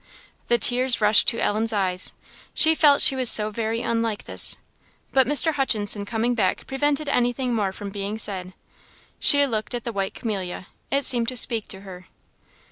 " The tears rushed to Ellen's eyes, she felt she was so very unlike this; but Mr. Hutchinson coming back prevented anything more from being said. She looked at the white camellia; it seemed to speak to her.